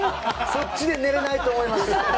そっちで寝れないと思います！